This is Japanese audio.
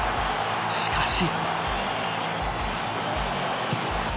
しかし。